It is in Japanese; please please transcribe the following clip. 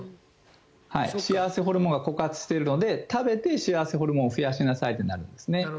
幸せホルモンが枯渇しているので食べて幸せホルモンを増やしましょうとなるんですね。